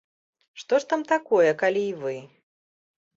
Што ж там такое, калі й вы.